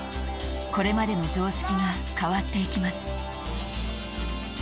これまでの常識が変わっていきます。